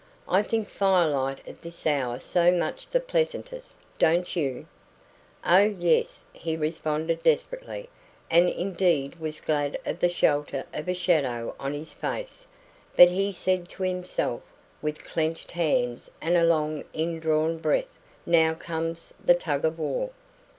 I think firelight at this hour so much the pleasantest, don't you?" "Oh, yes," he responded desperately, and indeed was glad of the shelter of a shadow on his face; but he said to himself, with clenched hands and a long indrawn breath, "Now comes the tug of war."